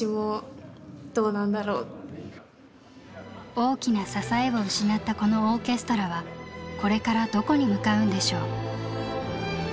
大きな支えを失ったこのオーケストラはこれからどこに向かうんでしょう。